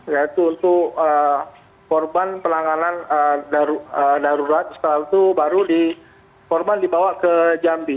yaitu untuk korban penanganan darurat setelah itu baru korban dibawa ke jambi